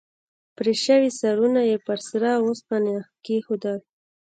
پرې شوي سرونه یې پر سره اوسپنه کېښودل.